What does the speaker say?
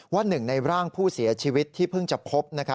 หนึ่งในร่างผู้เสียชีวิตที่เพิ่งจะพบ